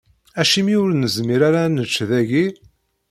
Acimi ur nezmir ara ad nečč dagi?